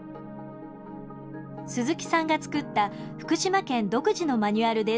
鈴木さんが作った福島県独自のマニュアルです。